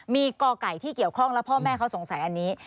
มีกไก่ที่เกี่ยวข้องแล้วพ่อแม่เขาสงสัยอันนี้